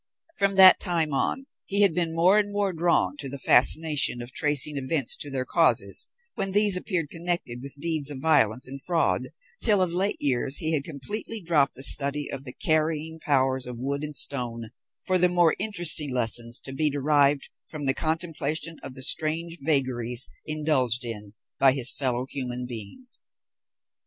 From that time on he had been more and more drawn to the fascination of tracing events to their causes, when these appeared connected with deeds of violence and fraud, till of late years he had completely dropped the study of the carrying powers of wood and stone for the more interesting lessons to be derived from the contemplation of the strange vagaries indulged in by his fellow human beings.